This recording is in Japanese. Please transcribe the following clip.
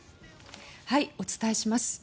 お伝えします。